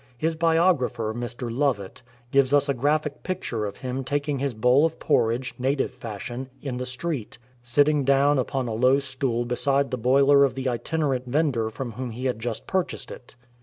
His biographer, Mr. Lovett, gives us a graphic picture of him taking his bowl of porridge, native fashion, in the street, sitting down upon a low stool beside the boiler of the itinerant vendor from whom he had just purchased it.